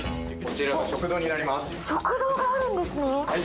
食堂があるんですね。